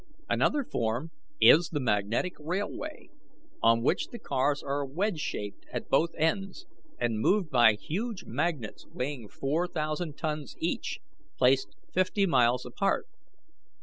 "Another form is the magnetic railway, on which the cars are wedge shaped at both ends, and moved by huge magnets weighing four thousand tons each, placed fifty miles apart.